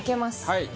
はい。